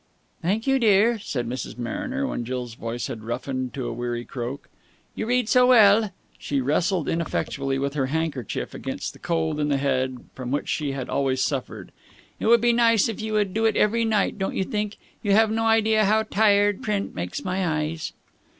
"Thank you, dear," said Mrs. Mariner, when Jill's voice had roughened to a weary croak. "You read so well." She wrestled ineffectually with her handkerchief against the cold in the head from which she had always suffered. "It would be nice if you would do it every night, don't you think? You have no idea how tired print makes my eyes."